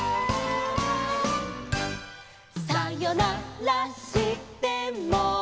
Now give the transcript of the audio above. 「さよならしても」